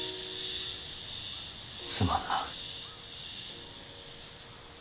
すまんな。